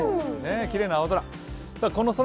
きれいな青空。